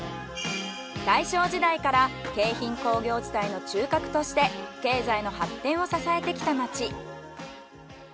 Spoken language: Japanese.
大正時代から京浜工業地帯の中核として経済の発展を支えてきた町。